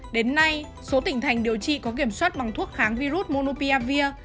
đến nay số tỉnh thành điều trị có kiểm soát bằng thuốc kháng virus monopiavia